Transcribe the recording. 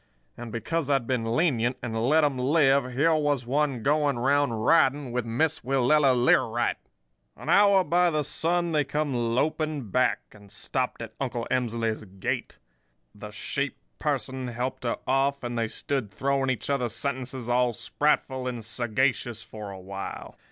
And because I'd been lenient, and let 'em live, here was one going around riding with Miss Willella Learight! "An hour by sun they come loping back, and stopped at Uncle Emsley's gate. The sheep person helped her off; and they stood throwing each other sentences all sprightful and sagacious for a while.